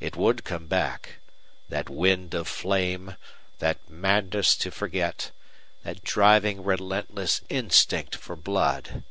It would come back that wind of flame, that madness to forget, that driving, relentless instinct for blood.